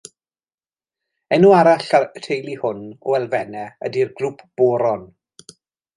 Enw arall y teulu hwn o elfennau ydy'r Grŵp Boron.